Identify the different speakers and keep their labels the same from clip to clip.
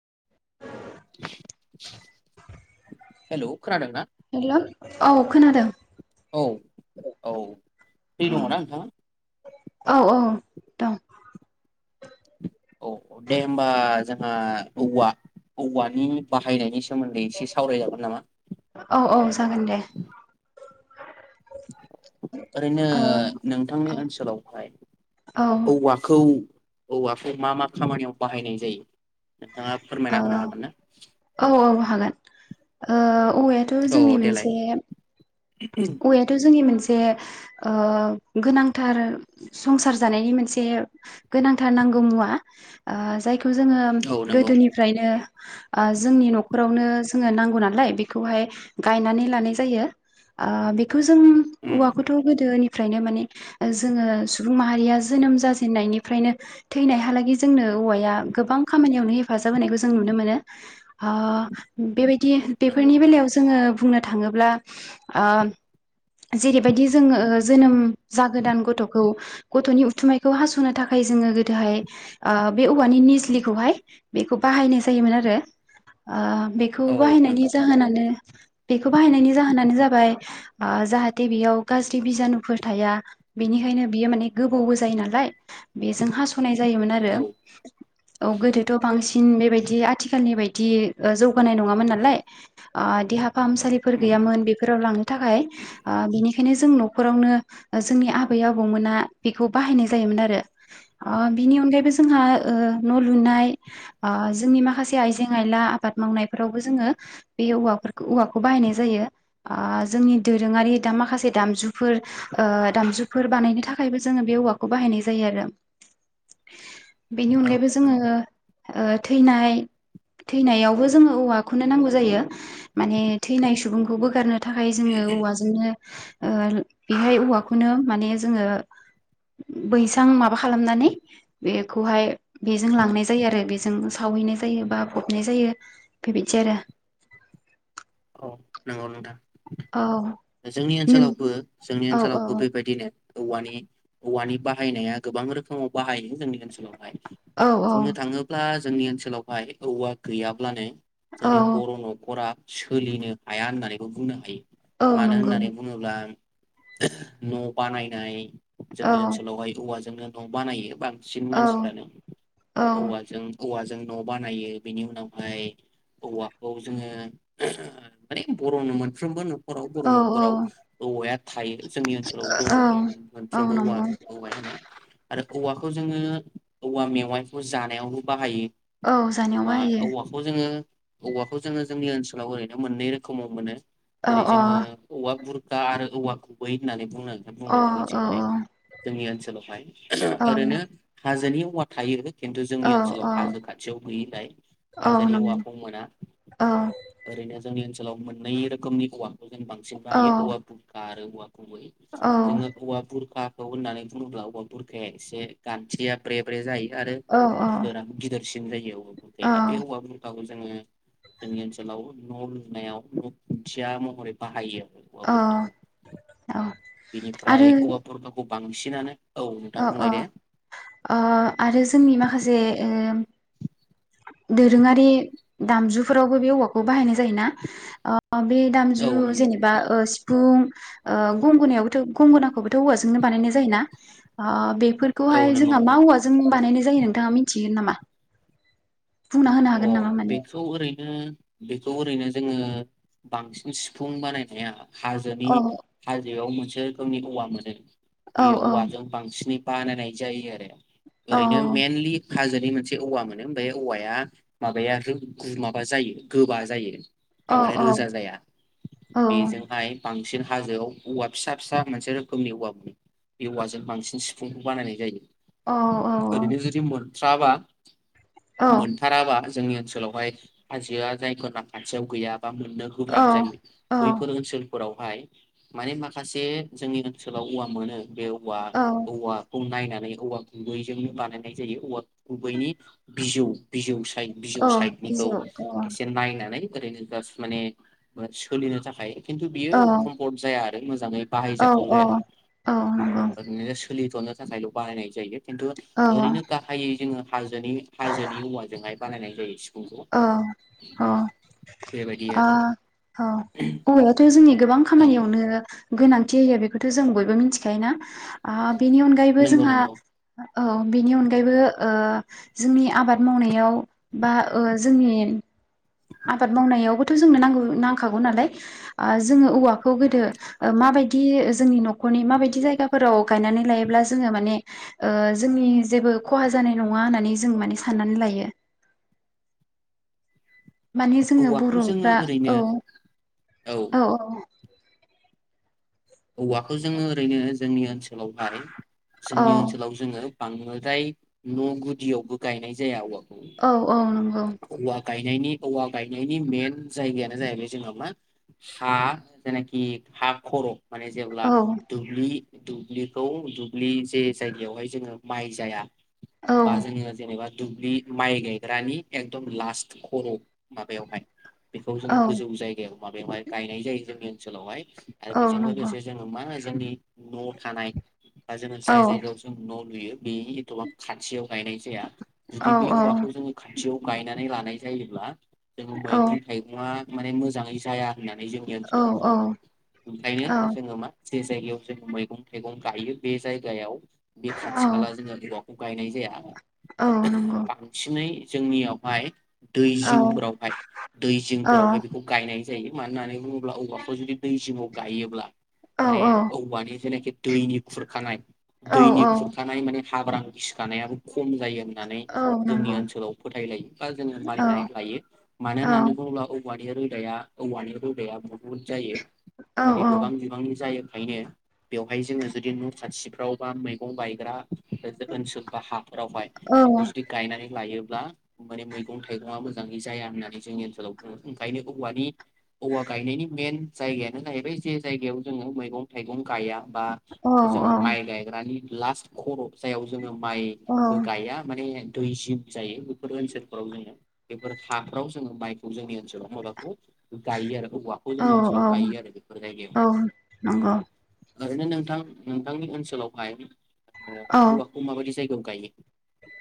Speaker 1: [inaudible]
Speaker 2: [unintelligible] Hello खोनादों ना?
Speaker 1: Hello औ खोनादों।
Speaker 2: औ औ। फ्रि
Speaker 1: औ
Speaker 2: दङना नोंथाङा?
Speaker 1: औ औ दं।
Speaker 2: औ दे होमबा जोंहा औवा औवानि बाहायनायनि सो सोमोन्दै एसे सावरायजागोन नामा?
Speaker 1: औ औ जागोन दे
Speaker 2: ओरैनो
Speaker 1: ओ
Speaker 2: नोंथांनि
Speaker 1: औ
Speaker 2: ओनसोलावहाय
Speaker 1: औ
Speaker 2: औवाखौ औवाखौ मा मा खामानियाव बाहायनाय जायो? नोंथाङा
Speaker 1: औ
Speaker 2: फोरमायना होनो हागोन ना
Speaker 1: औ औ औ हागोन। ओ औवायाथ'
Speaker 2: औ
Speaker 1: जोंनि
Speaker 2: देलाय
Speaker 1: मोनसे औवायाथ' जोंनि मोनसे जे ओ गोनांथार संसार जानायनि मोनसे गोनांथार नांगौ मुवा ओ जाय खौ जोङो
Speaker 2: औ नंगौ
Speaker 1: गोदोनिफ्रायनो ओ जोंनि न'खरावनो जोङो नांगौ नालाय बेखौहाय गायनानै लानाय जायो। ओ बे खौ जों
Speaker 2: उम
Speaker 1: औवाखौथ' गोदोनि फ्रायनो माने जोङो सुबुं माहारिया जोनोम जाजेननायनिफ्रायनो थैनायहालागै जोंनो औवाया गोबां खामानियावनो हेफाजाब होनायखौ जों नुनो मोनो हा बेबायदि
Speaker 2: नंगौ
Speaker 1: बेफोरनि बेलायाव जोङो बुंनो थाङोब्ला आं जेरैबायदि जोङो जोनोम जागोदान गथ'खौ गथ'नि उथुमायखौ हास'नो थाखाय जोङो गोदोहाय ओ बे औवानि निजलिखौहाय बेखौ बाहायनाय जायोमोन आरो आ बेखौ
Speaker 2: औ
Speaker 1: बाहायनायनि
Speaker 2: नंगौ
Speaker 1: जाहोनानो बेखौ बाहायनायनायनि जाहोनानो जाबाय जाहाथे बेयाव गाज्रि बिजानुफोर थाया बिनिखायनो बियो माने गोबौबो जायो नालाय बेजों हास'नाय जायोमोन आरो
Speaker 2: औ
Speaker 1: औ गोदोथ' बांसिन बेबायदि आथिखालनि बायदि जौगानाय नङामोन नालाय आ देहा फाहामसालि
Speaker 2: उम
Speaker 1: गैयामोन बेफोराव लांनो थाखाय ओ बेनिखायनो जों न'खरावनो जोंनि आबै आबौमोना बेखौ बाहायनाय जायोमोन आरो आ बिनि अनगायैबो जोंहा ओ न' लुनाय आ जोंनि माखासे आइजें आइला आबाद मावनायफोरावबो जोङो बे औवखफोरखौ औवाखौ बाहायनाय ओ जोंनि दोरोङारि दा माखासे दामजुफोर ओ दामजुफोर बानायनो थाखायबो जोङो बे औवाखौ बाहायनाय जायो आरो बेनि
Speaker 2: औ
Speaker 1: अनगायैबो जोङो
Speaker 2: नंगौ
Speaker 1: ओ थैनाय थैनायावबो जोङो औवाखौनो नांगौ जायो माने थैनाय सुबुंखौ बोगारनो थाखाय जोङो औवाजोंनो ओ बेहाय औवाखौनो माने जोङो बैसां माबा खालामनानै बेखौहाय बेजों लांनाय जायो आरो बेजों सावहैनाय जायो बा फबनाय जायो बेबायदि आरो
Speaker 2: नोंगौ नोंथां
Speaker 1: औ
Speaker 2: जोंनि
Speaker 1: नों
Speaker 2: ओनसोलावबो जोंनि
Speaker 1: औ औ
Speaker 2: ओनसोलावबो बेबायदिनो औवानि औवानि बाहायनाया गोबां रोखोमाव बाहायो जोंनि ओनसोलावहाय
Speaker 1: औ
Speaker 2: बुंनो थाङोब्ला जोंनि ओनसोलावहाय औवा गैयाब्लानो
Speaker 1: औ
Speaker 2: जोंनि बर' न'खरा सोलिनो हाया होननानैबो बुंनो हायो
Speaker 1: औ
Speaker 2: मानो
Speaker 1: नंगौ
Speaker 2: होननानै बुङोब्ला न' बानायनाय
Speaker 1: औ
Speaker 2: जोंनि ओनसोलावहाय औवाजों जोंनो न' बानायो बा बांसिन
Speaker 1: औ
Speaker 2: मानसिफ्रानो औवाजों औवाजों न' बानायो बेनि उनावहाय औवाखौ जोङो माने बर'नो मोनफ्रोमबो नख'राव बर'
Speaker 1: औ
Speaker 2: न'खराव औवाया थायो जोंनि ओनसोलाव दङ
Speaker 1: औ औ
Speaker 2: मोनफ्रोमबो औवा
Speaker 1: नंगौ
Speaker 2: औवायानो आरो औवाखौ जोङो औवा मेवाइखौ जानायावल' बाहायो
Speaker 1: औ जानायाव
Speaker 2: औवा
Speaker 1: बाहायो
Speaker 2: औवाखौ जोङो औवाखौ जोङो जोंनि ओनसोलाव ओरैनो मोननै रोखोमाव मोनो
Speaker 1: औ अ
Speaker 2: जेरै जोङो औवा बुर खा आरो औवा गुबोै होननानै बुंनायखौ
Speaker 1: अ औ
Speaker 2: जों मिथियो जोंनि ओनसोल [unintelligible]
Speaker 1: औ
Speaker 2: ओरैनो हाजोनि औवा थायो खिन्थु जोंनि
Speaker 1: औ
Speaker 2: ओनसोलाव
Speaker 1: औ
Speaker 2: हाजो खाथियाव गैयिलाय
Speaker 1: औ
Speaker 2: हाजोनि
Speaker 1: नंगौ
Speaker 2: औवाखौ मोना
Speaker 1: औ
Speaker 2: ओरैनो जोंनि ओनसो सोलाव मोननै रोखोमनि औवा जों बांसिन
Speaker 1: औ
Speaker 2: बाहायो औवा बुरखा आरो औवा गुबै
Speaker 1: औ
Speaker 2: जोङो हौवा बुरखा औ होन्नानै बुङोब्ला औवा बुरखाया एसे गान्थिया ब्रे ब्रे जायो आरो
Speaker 1: औ
Speaker 2: गिदिरानो गिदिर सिन जायो औवा
Speaker 1: औ
Speaker 2: बुरखाया बे औवा बुरखाखौ जों जोङो जोंनि ओनसोलाव न' लुनायाव [unintelligible] या महरै बाहायो औवा
Speaker 1: औ
Speaker 2: [unintelligible] बेनिफ्राय
Speaker 1: आरो
Speaker 2: औवा बुरखाखौ बांसिनानो नोंथां
Speaker 1: औ औ
Speaker 2: बुंलाय दे
Speaker 1: ओ आरो जोंनि माखासे ओ दोरोङारि दामजुफोरावबो बे औवाखौ बाहायनाय जायोना ओ बे
Speaker 2: औ
Speaker 1: दामजु
Speaker 2: नंगौ
Speaker 1: जेनेबा ओ सिफुं ओ गंगोनायावबोथ' गंगोना खौबोथ' औवाजोंनो बानायनाय जायोना ओ बे
Speaker 2: औ
Speaker 1: फोरखौहाय
Speaker 2: नंगौ
Speaker 1: जोंहा मा
Speaker 2: नंगौ
Speaker 1: औवाजों बानायनाय जायो नों थाङा मिथियो नामा? बुंना होनो हागोन नामा माने?
Speaker 2: नो बेखौ ओरैनो जोङो बांसिन सिफुं बानायनाया हाजोनि
Speaker 1: औ
Speaker 2: हा याव मोनसे रोखोमनि औवा मोनो
Speaker 1: औ
Speaker 2: बे
Speaker 1: औ
Speaker 2: औवाजों बांसिनै बानायनाय जायो आरो
Speaker 1: औ
Speaker 2: ओरैनो मेनलि हाजोनि मोनसे औवा मोनो ओमफ्राय औवाया माबाया गोब-गु माबा जायो गोबा जायो
Speaker 1: औ
Speaker 2: बांद्राय रोजा जाया
Speaker 1: औ
Speaker 2: बेजोंहाय बांसिन हाजोआव औवा फिसा फिसा मोनसे रोखोमनि औवा मोनो बे औवाजों बांसिन सिफुंखौ बानायनाय
Speaker 1: औ
Speaker 2: जायो नो जदि मोन थ्राबा
Speaker 1: औ
Speaker 2: साखि जोंनि ओनसोलावहाय हाजोआ जायफोरना खाथियाव गैया बा मोननो
Speaker 1: औ
Speaker 2: गोब्राब जायो
Speaker 1: औ
Speaker 2: बैफोर ओनसोलफोराव हाय माने माखासे जोंनि ओनसोलाव औवा मोनो बेयाव औवा
Speaker 1: औ
Speaker 2: औवाखौ नायनानै औवा गुवैजोंनो बानायनाय जायो औवा गुवैनि बिजौ बिजौ साइद बिजौ
Speaker 1: औ
Speaker 2: साइडनिखौ
Speaker 1: बिजौ औ
Speaker 2: एसे नायनानै ओरैनो जास माने ओ सोलिनो थाखाय। किन्थु बियो कम्फर्ट जाया आरो। नों मोजाङै।
Speaker 1: औ
Speaker 2: बाहायजाथाव
Speaker 1: औ
Speaker 2: जाया
Speaker 1: औ नंगौ।
Speaker 2: ओरैनो सोलिथनो थाखायल बाहायनाय जानो। खिन्थु
Speaker 1: औ
Speaker 2: ओरैनो गाहायै जोङो। हाजो हाजोनि औवानि। ओजोंहाय बानायनाय। जायो सिफुंखौ
Speaker 1: औ औ
Speaker 2: बेबायदि
Speaker 1: ओ
Speaker 2: आरो
Speaker 1: औ औवायाथ' जोंनि। गोबां
Speaker 2: औ
Speaker 1: खामानियावनो। गोनांथि होयो बेखौथ' जों बयबो मिथिखायो ना ओ। बेनि अनगायैबो
Speaker 2: नंगौ
Speaker 1: जोंहा।
Speaker 2: नंगौ
Speaker 1: औ बेनि अनगायैबो ओ जोंनि आबाद मावनायाव। बा ओ जोंनि। आबाद मावनायावबोथ' जोंनो नांगौ नांखागौ नालाय जोङो औवाखौ गोदो माबायदि जोंनि न'खरनि मा बायदि जायगाफोराव। गायनानै लायोब्ला जोङो माने। ओ जोंनि जेबो खहा जानाय नङा होननानै जों माने साननानै लायो। माने जोङो
Speaker 2: औवाखौ जोङो
Speaker 1: बर'फ्रा
Speaker 2: ओरैनो
Speaker 1: औ औ औ।
Speaker 2: औवाखौ जोङो ओरैनो जोंनि ओनसोलावहाय
Speaker 1: औ
Speaker 2: जोंनि ओनसोलाव जोङो बांद्राय न' गुदियावबो गायनाय जाया औवाखौ।
Speaker 1: औ औ नंगौ।
Speaker 2: औवा गायनायनि औवा गायनायनि मेन जायगायानो जाहैबाय जोंहा मा हा जायनाखि हा खर'। माने जेब्ला
Speaker 1: औ
Speaker 2: दुब्लि दुब्लिखौ दुब्लि जे जायगायावहाय जोङो माइ जाया
Speaker 1: औ
Speaker 2: बाजोङो जेनेबा दुब्लि माइ गायग्रानि एकदम लास्ट खर' माबायावहाय बेखौ जोङो
Speaker 1: औ
Speaker 2: गोजौ जायगायाव माबेवहाइ गायनाय जायो जोंनि ओनसोलावहाय। [unintelligible]
Speaker 1: औ
Speaker 2: बेजों
Speaker 1: नंगौ
Speaker 2: लोगोसे जोङो मा? जोंनि न'आव थानाय। बा जोङो
Speaker 1: औ
Speaker 2: जाय जायगायाव जों न' लुयो। बे एथ'बा खाथियाव गायनाय जाया
Speaker 1: औ
Speaker 2: जुदि बे
Speaker 1: औ
Speaker 2: औवाखौ जोङो खाथियाव गायनानै लानाय जायोब्ला जोङो
Speaker 1: औ
Speaker 2: मैगं थाइगंआ माने मोजाङै जाया होननानै जोंनि
Speaker 1: औ
Speaker 2: ओनसोलाव बुङो।
Speaker 1: औ
Speaker 2: ओंखायनो जोङो मा जे जायगायाव जों मैगं थाइगं गायो बे जायगायाव बे खाथि खाला जोङो औवाखौ गायनाय
Speaker 1: औ
Speaker 2: जाया।
Speaker 1: नंगौ
Speaker 2: बांसिनै जोंनियावहाय दै
Speaker 1: औ
Speaker 2: जिंफोरावहाय दै
Speaker 1: औ
Speaker 2: जिंफोरावहाय बेखौ गायनाय जायो मानो होननानै बुङोब्ला औवाखौ जु दै जिंआव गायोब्ला माने
Speaker 1: औ
Speaker 2: औवानि जेनाखि दैनि खुरखानाय
Speaker 1: औ
Speaker 2: दैनि
Speaker 1: औ
Speaker 2: खुरखानाय माने हाब्रां गिसिखानायाबो खम जायो होननानै
Speaker 1: औ
Speaker 2: जोंनि
Speaker 1: नंगौ
Speaker 2: ओनसोलाव फोथायलायो बा जोङो
Speaker 1: औ
Speaker 2: मानिनानै लायो। मानो
Speaker 1: औ
Speaker 2: होननानै बुङोब्ला औ औवानि रोदाया औवानि रोदाया गुबुन गुबुन जायो।
Speaker 1: औ
Speaker 2: माने गोबां
Speaker 1: औ
Speaker 2: बिबांनि जायो। खायनो बेवहाय जोङो जुदि न' खाथिफ्राव बा मैगं बायग्रा ओनसोल बा हा रावहाय बेखौ जुदि गायनानै लायो ब्ला माने मैगं थाइगंआ मोजाङै जाया होननानै जोंनि ओनसोलाव बुङो ओंखायनो औवानि औवा गायनायनि मेन जायगाया नाथाय जे जायगायाव जोङो मैगं थाइगं गाया बा जोङो माइ गायग्रानि लास्ट खर' जायाव जोङो
Speaker 1: औ
Speaker 2: माइबो गाया माने दै जिं जायो बेफोर ओनसोलफोराव जोङो बेफोर हाफ्राव जोङो माइखौ जोंनि ओनसोलाव माबाखौ गायो आरो औवाखौ जोंनि ओनसोलाव गायो आरो बेफोर
Speaker 1: औ
Speaker 2: जायगायाव
Speaker 1: औ नंगौ
Speaker 2: ओरैनो नोंथां नोंथांनि ओनसोलावहाय ओ
Speaker 1: औ
Speaker 2: औवाखौ माबायदि जायगायाव गायो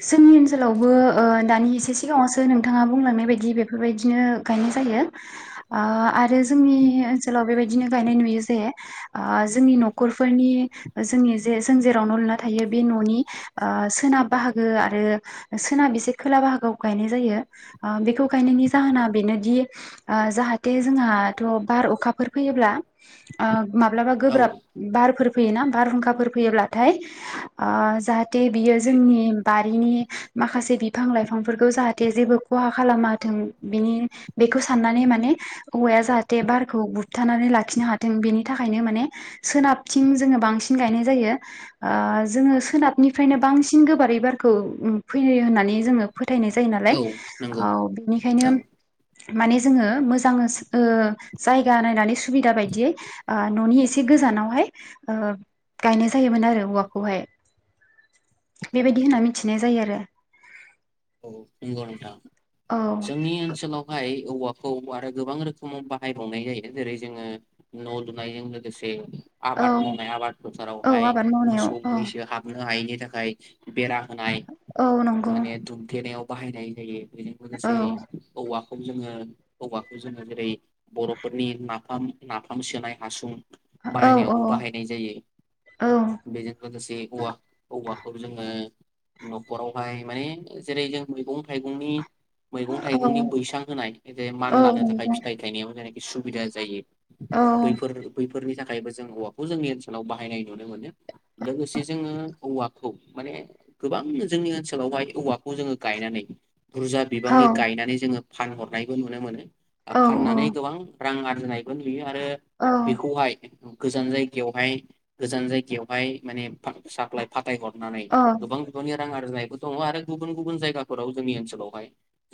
Speaker 1: जोंनि ओनसोलावबो ओ दानि एसे सिगाङावसो नोंथाङा बुंलांनाय बायदि बेफोरबायदिनो गायनाय जायो ओ आ आरो जोंनि ओनसोलाव बेबायदिनो गायनाय नुयो जे ओ जोंनि न'खरफोरनि जोंनि जे जों जेराव न' लुना थायो बे न'नि ओ सोनाब बाहागो आरो सोनाब एसे खोला बाहागोआव गायनाय जायो बेखौ गायनायनि जाहोना बेनोदि जाहा दे जोंहाथ' बार अखा फोरफोर फैयोब्ला ओ माब्लाबा
Speaker 2: औ
Speaker 1: गोब्राब बारफोर फैयोना बारहुंखाफोर फैयोब्लाथाय ओ जाहा थे बियो जोंनि बारिनि माखासे बिफां लाइफांफोरखौ जाहाथे जेबो खहा खालामाथों बिनि बेखौ साननानै माने औवाया जाहाथे बारखौ बुबथानानै लाखिनो हाथों बेनि थाखायनो माने सोनाबथिं जोङो बांसिन गायनाय जायो ओ जोङो सोनाबनिफ्रायनो बांसिन गोबारै बारखौ ओम फोयो होननानै जोङो फोथायनाय जायो नालाय
Speaker 2: औ नंगौ
Speaker 1: औ बेनिखायनो
Speaker 2: औ
Speaker 1: माने जोङो मोजां ओ जायगा नायनानै सुबिदा बायदियै ओ न'नि एसे गोजानावहाय ओ गायनाय जायोमोन आरो औवाखौहाय बेबाय बिदि होनना मिथिनाय जायो आरो
Speaker 2: औ नोंगौ नोंथां
Speaker 1: औ
Speaker 2: जोंनि ओनसोलावहाय औवाखौ आरो गोबां रोखोमाव बाहायबावनाय जायो जेरै जोङो न' लुनायजों लोगोसे
Speaker 1: औ
Speaker 2: आबाद मावनाय आबाद
Speaker 1: औ
Speaker 2: फोथारावहाय
Speaker 1: आबाद मावनायाव
Speaker 2: मोसौ
Speaker 1: औ
Speaker 2: मैसो हाबनो हायैनि थाखाय बेरा नाय
Speaker 1: औ नंगौ
Speaker 2: माने दुम गेनायाव बाहायनाय जायो। बेजों
Speaker 1: औ
Speaker 2: लोगोसे औवा जोङो हौवाखौ जोङो जेरै बर'फोरनि नाफाम नाफाम सोनाय हासुं।
Speaker 1: औ
Speaker 2: बानायनायावबो बाहायनाय
Speaker 1: औ
Speaker 2: जायो बेजों लोगोसे औवा औवाखौ जोङो न'खरावहाय। मानिे जेरै जों मैगं थाइगंनि मैगं थाइगंनि बैसां होनाय जे
Speaker 1: औ
Speaker 2: मान लानो थाखाय
Speaker 1: नंगौ
Speaker 2: फिथायाइ थायनायाव जेने। सुबिदा जायो।
Speaker 1: औ
Speaker 2: बैफोर बैफोरनि ज थाखायबो जों औवाखौ जोंनि ओनसोलाव बाहायनाय नुनो मोनो लोगोसे जोङो औवाखौ माने गोबां जोंनि ओनसोलावहाय औवा।। खौ जोङो गायनानै। बुरजा
Speaker 1: औ
Speaker 2: बिबांनि गायनानै जोङो फानहरनायबो नुनो मोनो।
Speaker 1: औ
Speaker 2: फाननानै गोबां। रां आरजिनाय। नुयो आरो
Speaker 1: औ
Speaker 2: बेखौहाय। गोजान जायगायावहाय गोजान जायगायावहाय माने फा साप्लाय फा फाथायहरनानै
Speaker 1: औ
Speaker 2: गोबां बिांनि रां आरजिनायखौ। दं आरो। गुबुन गुबुन जायगाफोराव जोंनि ओनसोलावहाय।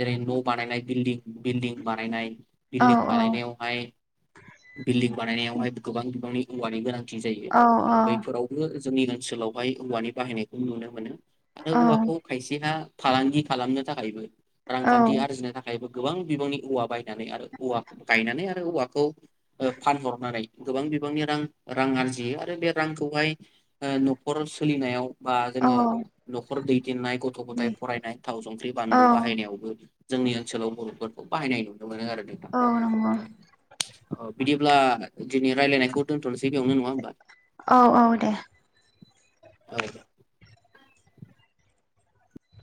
Speaker 2: जेरै न' बानायाय बिल्डि। बिल्दिं बानायनाय।
Speaker 1: औ
Speaker 2: बिल्डिं
Speaker 1: नंगौ
Speaker 2: बानायनायावहाय बिल्डिं बानायनायावहाय गोबां बिबांनि। मुवानि गोनांथि। जायो बैफोरावबो। जोंनि ओनसोलावहाय औवानि बाहायनायखौ नुनो मोनो। नोंक माखौ। देहा फालांगि खालामनो थाखायबो। रांखान्थि आरजिनो थाखायबो। गोबां बिबांनि औवा बायनानै आरो औवा गायनानै आरो औवाखौ फानहरनानै गोबां बिबांनि रां रां आरजियो आरो बे रांखौहाय न'खर सोलिनायाव। बा जोङो न'खर दै दैदेननाय। गथ' गथाय फरायनाय थाव, संख्रि, बानलु बाहायनायावबो जोंनि ओनसोलाव बर'फोरा। बाहायनायखौ। [inaudible] अब्ला दिनै रायज्लायनायखौ दोनथ'नोसै बेयावनो नङा होमबा।
Speaker 1: औ औ दे।
Speaker 2: औ